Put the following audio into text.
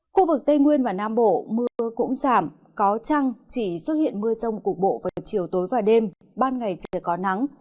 khu vực tây nguyên và nam bộ mưa cũng giảm có trăng chỉ xuất hiện mưa rông cục bộ vào chiều tối và đêm ban ngày trời có nắng